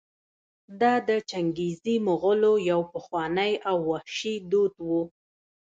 دا د چنګېزي مغولو یو پخوانی او وحشي دود و.